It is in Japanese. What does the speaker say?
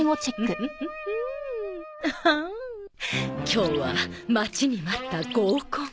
今日は待ちに待った合コン